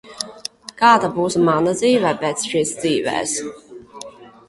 Kāda būs mana dzīve pēc šīs dzīves?